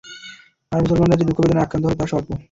আর মুসলমানরা যে দুঃখ বেদনায় আক্রান্ত হল তা স্বল্প।